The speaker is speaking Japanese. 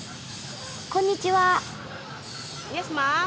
こんにちは。